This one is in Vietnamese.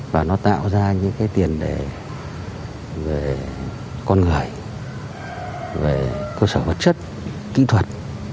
và nó tạo ra những cái tiền về con người về cơ sở vật chất kỹ thuật